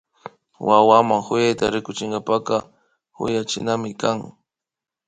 Wawaman kuyayta rikuchinkapaka kuyachinami kan